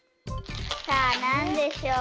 さあなんでしょう？